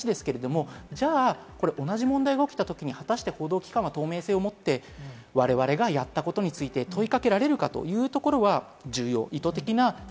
被害者のケアも必要ですねということも大事ですが、同じ問題が起きたときに果たして報道機関は透明性をもって我々がやったことについて問い掛けられるか？というところは重要。